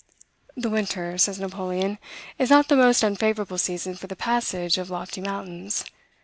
"The winter," says Napoleon, "is not the most unfavorable season for the passage of lofty mountains.